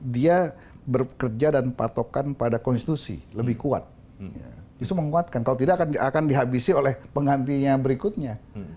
dia bekerja dan patokan pada konstitusi lebih kuat justru menguatkan kalau tidak akan dihabisi oleh penggantinya berikutnya